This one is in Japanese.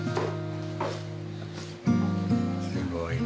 すごいな。